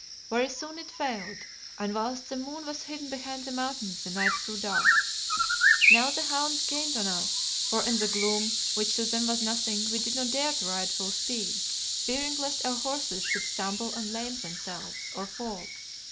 Very soon it failed, and whilst the moon was hidden behind the mountains the night grew dark. Now the hounds gained on us, for in the gloom, which to them was nothing, we did not dare to ride full speed, fearing lest our horses should stumble and lame themselves, or fall.